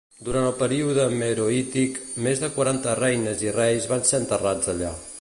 Durant el període meroític, més de quaranta reines i reis van ser enterrats allà.